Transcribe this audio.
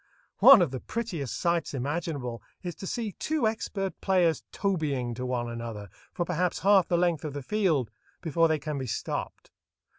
One of the prettiest sights imaginable is to see two expert players "tobying" to one another for perhaps half the length of the field before they can be stopped.